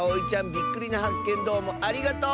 びっくりなはっけんどうもありがとう！